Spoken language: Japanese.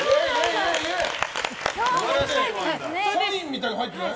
サインみたいなの入ってない？